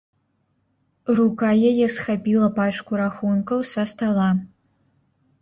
Рука яе схапіла пачку рахункаў са стала.